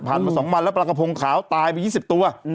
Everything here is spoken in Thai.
มา๒วันแล้วปลากระพงขาวตายไป๒๐ตัว